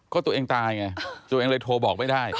ก็ตัวเองตายไงตัวเองเลยโทรบอกไม่ได้